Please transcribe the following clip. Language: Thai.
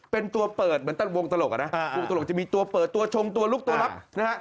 เป็นตัวเปิดเหมือนวงตลกอะนะวงตลกจะมีตัวเปิดตัวชงตัวลุกตัวลับนะฮะ